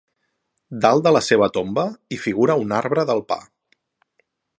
Dalt de la seva tomba hi figura un arbre del pa.